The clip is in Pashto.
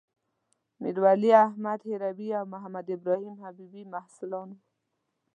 میرولی احمد هروي او محمدابراهیم حبيبي محصلان وو.